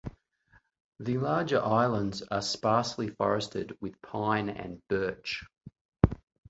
The larger islands are sparsely forested with pine and birch.